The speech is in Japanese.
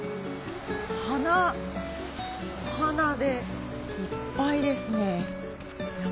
花お花でいっぱいですね。